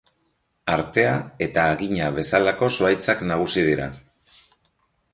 Artea eta Hagina bezalako zuhaitzak nagusi dira.